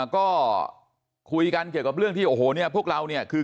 ก็คุยกันเกี่ยวกับเรื่องที่โอ้โหเนี่ยพวกเราเนี่ยคือ